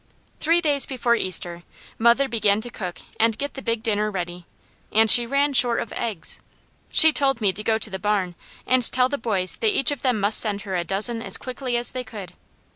Three days before Easter, mother began to cook and get the big dinner ready, and she ran short of eggs. She told me to go to the barn and tell the boys that each of them must send her a dozen as quickly as they could.